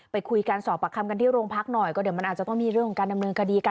ไปคุยกันสอบปากคำกันที่โรงพักหน่อยก็เดี๋ยวมันอาจจะต้องมีเรื่องของการดำเนินคดีกัน